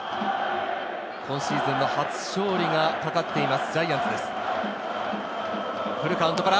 今シーズンの初勝利がかかっています。